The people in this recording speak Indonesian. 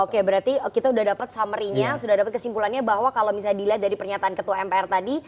oke berarti kita sudah dapat summary nya sudah dapat kesimpulannya bahwa kalau misalnya dilihat dari pernyataan ketua mpr tadi